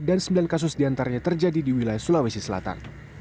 dan sembilan kasus diantaranya terjadi di wilayah sulawesi selatan